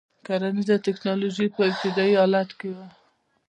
کرنیزه ټکنالوژي په ابتدايي حالت کې وه.